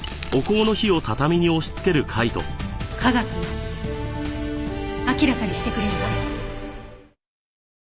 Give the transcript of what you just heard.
科学が明らかにしてくれるわ。